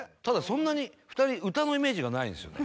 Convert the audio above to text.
そんなに２人歌のイメージがないんですよね